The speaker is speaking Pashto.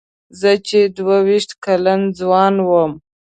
زه چې دوه وېشت کلن ځوان وم.